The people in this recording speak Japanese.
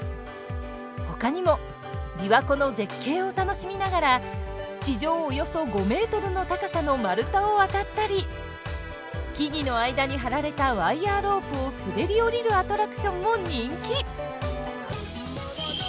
ほかにもびわ湖の絶景を楽しみながら地上およそ５ｍの高さの丸太を渡ったり木々の間に張られたワイヤーロープを滑り降りるアトラクションも人気。